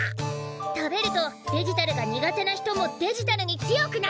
食べるとデジタルが苦手な人もデジタルに強くなる。